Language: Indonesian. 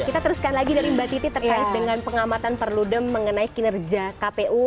kita teruskan lagi dari mbak titi terkait dengan pengamatan perludem mengenai kinerja kpu